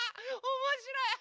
おもしろい！